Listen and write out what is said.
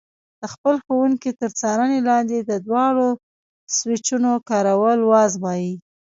د خپل ښوونکي تر څارنې لاندې د دواړو سویچونو کارول وازمایئ.